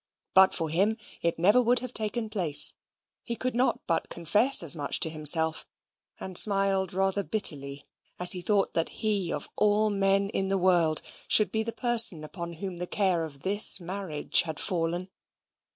But for him it never would have taken place: he could not but confess as much to himself, and smiled rather bitterly as he thought that he of all men in the world should be the person upon whom the care of this marriage had fallen.